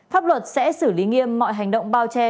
pháp luật sẽ xử lý nghiêm mọi hành động bao che